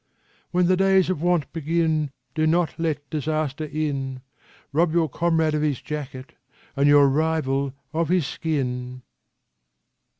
" When the days of want begin, do not let disaster in : Rob your comrade of his jacket and your rival of his skin.